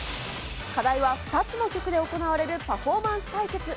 課題は２つの曲で行われるパフォーマンス対決。